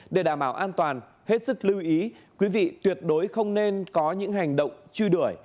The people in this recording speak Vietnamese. để đảm bảo an toàn hết sức lưu ý quý vị tuyệt đối không nên có những hành động truy đuổi